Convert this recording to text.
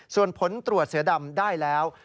ส่วนผลตรวจเสือดำได้แล้ว